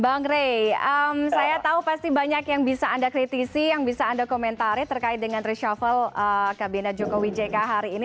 bang rey saya tahu pasti banyak yang bisa anda kritisi yang bisa anda komentari terkait dengan reshuffle kabinet jokowi jk hari ini